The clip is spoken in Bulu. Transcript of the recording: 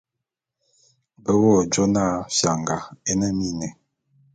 Be wo jona fianga é ne miné.